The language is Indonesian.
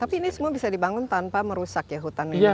tapi ini semua bisa dibangun tanpa merusak ya hutan ini